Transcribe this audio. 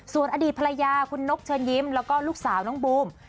ส่วนอดีตภรรยาคุณนกเชิญยิ้มแล้วก็ลูกสาวน้องบูม